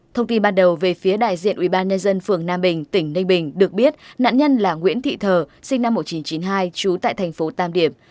thông tin ban đầu về phía đại diện ubnd phường nam bình tỉnh ninh bình được biết nạn nhân là nguyễn thị thờ sinh năm một nghìn chín trăm chín mươi hai trú tại thành phố tam điệp